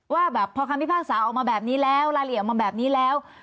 ว่าแบบพอคำพิพากษาออกมาแบบนี้แล้วรายละเอียดออกมาแบบนี้แล้ว